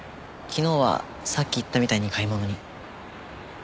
昨日はさっき言ったみたいに買い物に。